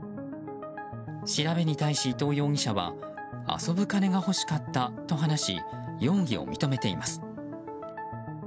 調べに対し、伊藤容疑者は遊ぶ金が欲しかったと話し容疑を認めています。